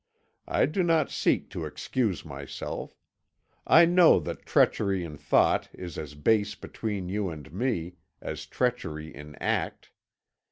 I do not seek to excuse myself; I know that treachery in thought is as base between you and me, as treachery in act.